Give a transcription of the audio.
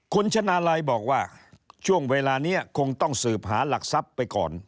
คุณชนะลัยบอกว่าช่วงเวลานี้คงต้องสืบหาหลักทรัพย์ไปก่อน